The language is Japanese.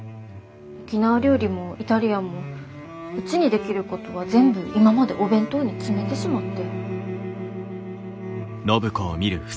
沖縄料理もイタリアンもうちにできることは全部今までお弁当に詰めてしまって。